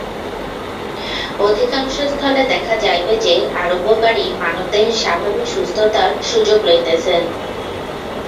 অধিকাংশ স্থলে দেখা যাইবে যে, আরোগ্যকারী মানব-দেহের স্বাভাবিক সুস্থতার সুযোগ লইতেছেন।